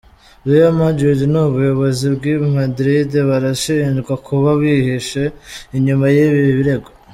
Real Madrid n' ubuyozi bw' i Madrid barashinjwa kuba bihishe inyuma y' ibi birego.